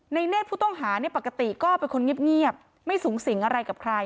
เนธผู้ต้องหาปกติก็เป็นคนเงียบไม่สูงสิงอะไรกับใคร